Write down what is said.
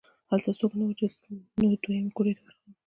هلته څوک نه وو نو دویمې کوټې ته ورغلم